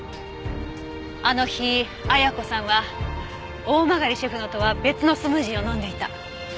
あの日綾子さんは大曲シェフのとは別のスムージーを飲んでいた。